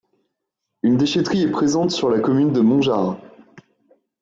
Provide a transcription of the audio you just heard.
Une déchèterie est présente sur la commune de Montgeard.